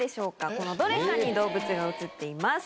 このどれかに動物が写っています。